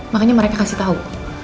makanya mereka kasih tau